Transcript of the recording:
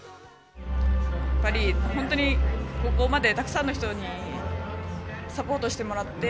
本当にここまでたくさんの人にサポートしてもらって